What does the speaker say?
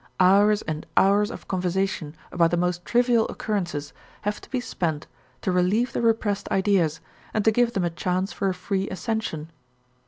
Hours and hours of conversation about the most trivial occurrences have to be spent to relieve the repressed ideas and to give them a chance for a free ascension.